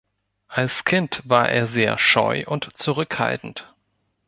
Als Kind war er sehr scheu und zurückhaltend.